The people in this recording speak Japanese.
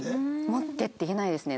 「持って」って言えないですね。